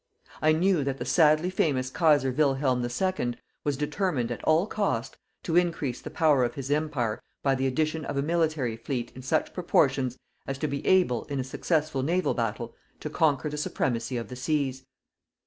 I knew that the sadly famous Kaiser Wilhelm II. was determined, at all cost, to increase the power of his Empire by the addition of a military fleet in such proportions as to be able, in a successful naval battle, to conquer the supremacy of the seas.